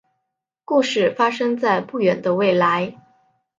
故事发生在不远的未来。